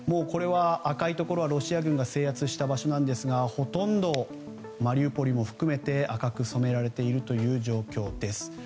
赤いところはロシア軍が制圧した場所なんですがほとんど、マリウポリも含めて赤く染められている状況です。